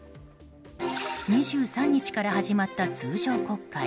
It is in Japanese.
２３日から始まった通常国会。